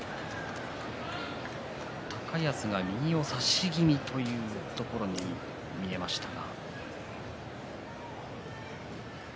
高安が右を差し気味というところに見えましたが。